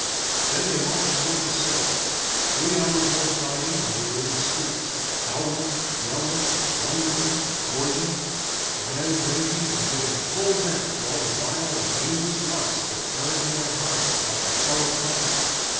Then they marched toward the city. Three hours' more fighting and they were in the streets, howling, yelling, plundering, gorging, dram drinking, and giving full vent to all the vile and nameless lusts that burned in their hearts like a hell of fire.